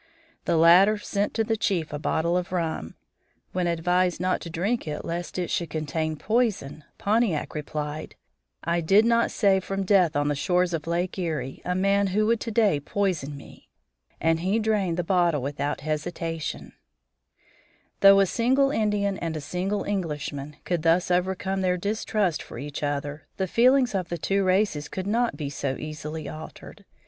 The latter sent to the chief a bottle of rum. When advised not to drink it lest it should contain poison, Pontiac replied: "I did not save from death on the shores of Lake Erie a man who would to day poison me," and he drained the bottle without hesitation. [Illustration: CALUMET] Though a single Indian and a single Englishman could thus overcome their distrust for each other, the feelings of the two races could not be so easily altered.